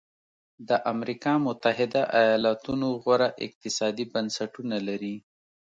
د امریکا متحده ایالتونو غوره اقتصادي بنسټونه لري.